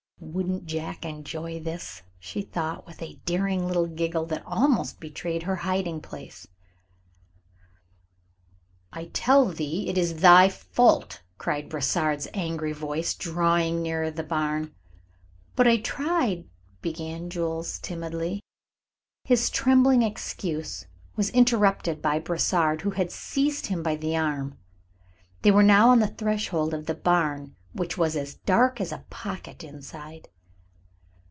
"Wouldn't Jack enjoy this," she thought, with a daring little giggle that almost betrayed her hiding place. "I tell thee it is thy fault," cried Brossard's angry voice, drawing nearer the barn. "But I tried," began Jules, timidly. His trembling excuse was interrupted by Brossard, who had seized him by the arm. They were now on the threshold of the barn, which was as dark as a pocket inside.